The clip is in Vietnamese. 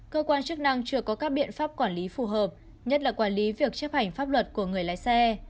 cơ quan chức năng chưa có các biện pháp quản lý phù hợp nhất là quản lý việc chấp hành pháp luật của người lái xe